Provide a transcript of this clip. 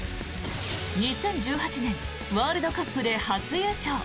２０１８年ワールドカップで初優勝。